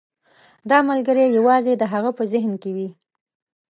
دا ملګری یوازې د هغه په ذهن کې وي.